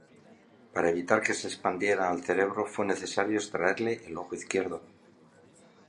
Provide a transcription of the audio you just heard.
Para evitar que se expandiera al cerebro fue necesario extraerle el ojo izquierdo.